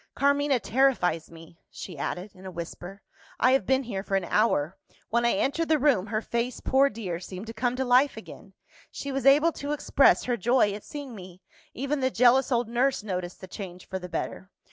"Carmina terrifies me," she added in a whisper. "I have been here for an hour. When I entered the room her face, poor dear, seemed to come to life again; she was able to express her joy at seeing me. Even the jealous old nurse noticed the change for the better.